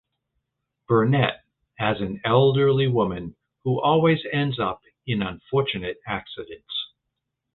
Burnett as an elderly woman who always ends up in unfortunate accidents.